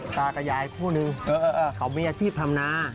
ตากับยายคู่นึงเขามีอาชีพทำนา